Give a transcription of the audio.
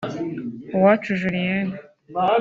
Uwacu julienne